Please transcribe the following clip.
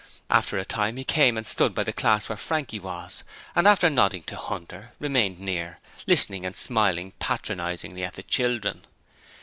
After a time he came and stood by the class where Frankie was, and, after nodding to Hunter, remained near, listening and smiling patronizingly at the children.